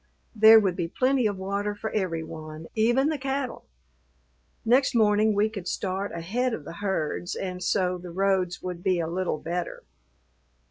There would be plenty of water for every one, even the cattle. Next morning we could start ahead of the herds and so the roads would be a little better.